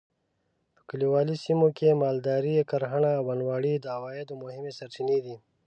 په کلیوالي سیمو کې مالداري؛ کرهڼه او بڼوالي د عوایدو مهمې سرچینې دي.